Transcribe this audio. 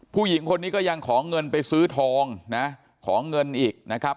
ผู้หญิงคนนี้ก็ยังขอเงินไปซื้อทองนะขอเงินอีกนะครับ